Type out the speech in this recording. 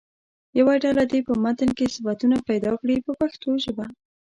یوه ډله دې په متن کې صفتونه پیدا کړي په پښتو ژبه.